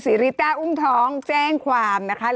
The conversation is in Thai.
ริต้าอุ้มท้องแจ้งความนะคะ